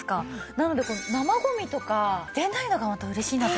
なので生ゴミとか出ないのがまた嬉しいなと思って。